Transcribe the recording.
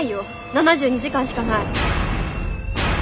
７２時間しかない。